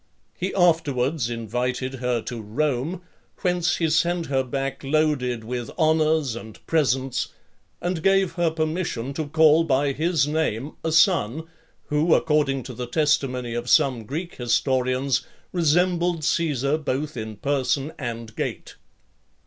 He afterwards invited her to Rome, whence he sent her back loaded with honours and presents, and gave her permission to call by his name a son, who, according to the testimony of some Greek historians, resembled Caesar both in person and gait.